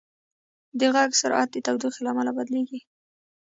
د غږ سرعت د تودوخې له امله بدلېږي.